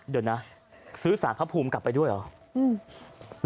เดี๋ยวนะซื้อสารพระภูมิกลับไปด้วยเหรอ